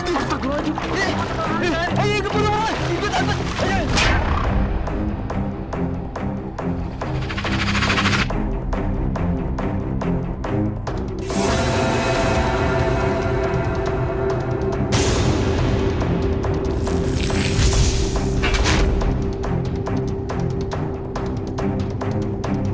astaga ini cemburu